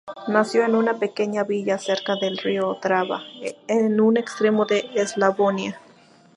Nació en una pequeña villa cerca del Río Drava, en un extremo de Eslavonia.